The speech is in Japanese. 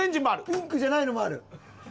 ピンクじゃないのもある！